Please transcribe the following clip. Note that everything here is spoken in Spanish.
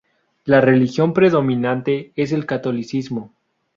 La religión predominante es el catolicismo.